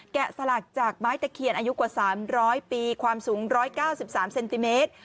สลักจากไม้ตะเคียนอายุกว่า๓๐๐ปีความสูง๑๙๓เซนติเมตร